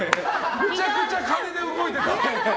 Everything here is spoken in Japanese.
めちゃくちゃ金で動いてた！